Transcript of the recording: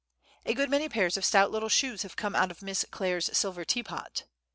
A good many pairs of stout little shoes have come out of Miss Clare's silver tea pot!